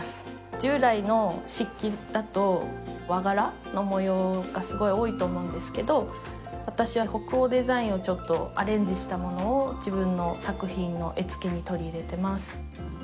従来の漆器だと和柄の模様がすごい多いと思うんですけど私は北欧デザインをちょっとアレンジしたものを自分の作品の絵付けに取り入れてます